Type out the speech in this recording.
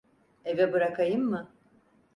Eve bırakayım mı?